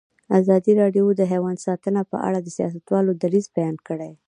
ازادي راډیو د حیوان ساتنه په اړه د سیاستوالو دریځ بیان کړی.